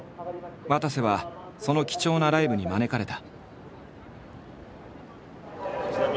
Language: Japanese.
わたせはその貴重なライブに招かれた。